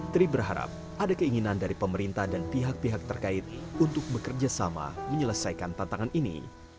tri berharap ada keinginan dari pemerintah dan pihak pihak terkait untuk bekerja sama menyelesaikan tantangan ini